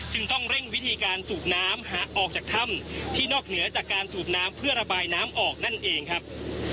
ต้องเร่งวิธีการสูบน้ำออกจากถ้ำที่นอกเหนือจากการสูบน้ำเพื่อระบายน้ำออกนั่นเองครับ